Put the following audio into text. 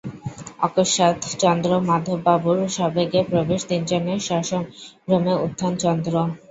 অকস্মাৎ চন্দ্রমাধববাবুর সবেগে প্রবেশ তিনজনের সসম্ভ্রমে উত্থান চন্দ্র।